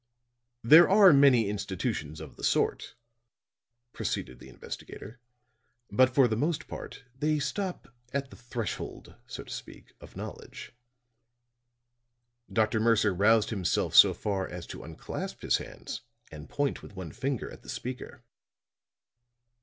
"There are many institutions of the sort," proceeded the investigator. "But for the most part they stop at the threshold, so to speak, of knowledge." Dr. Mercer roused himself so far as to unclasp his hands and point with one finger at the speaker.